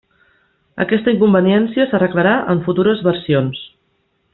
Aquesta inconveniència s'arreglarà en futures versions.